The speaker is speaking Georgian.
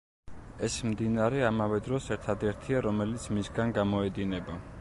ეს მდინარე ამავე დროს ერთადერთია, რომელიც მისგან გამოედინება.